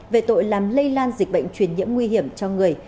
về tội làm lây lan dịch bệnh truyền nhiễm nguy hiểm cho người